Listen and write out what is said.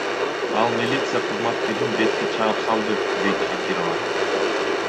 Ал милиция кызматкерин бетке чаап салды, — дейт Шакирова.